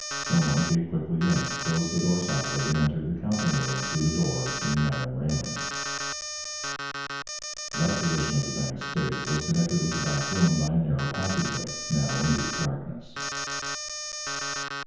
Some one came quickly in, closed the door softly, and entered the counting room through the door in the iron railing. That division of the bank's space was connected with the back room by a narrow passageway, now in deep darkness.